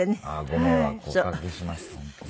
ご迷惑をおかけしました本当に。